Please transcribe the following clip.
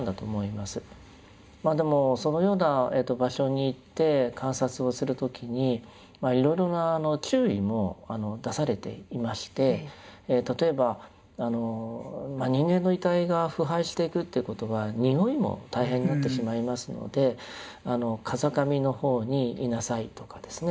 まあでもそのような場所に行って観察をする時にいろいろな注意も出されていまして例えば人間の遺体が腐敗していくっていうことはにおいも大変になってしまいますので風上の方にいなさいとかですね